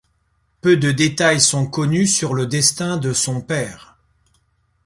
Peu de détails sont connus sur le destin de son père.